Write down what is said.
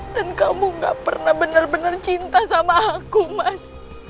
dan kamu gak pernah bener bener cinta sama aku mas